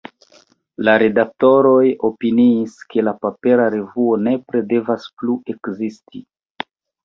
La redaktoroj opiniis, ke la papera revuo nepre devas plu ekzisti.